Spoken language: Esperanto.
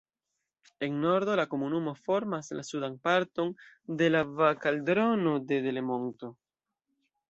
En nordo la komunumo formas la sudan parton de la Valkaldrono de Delemonto.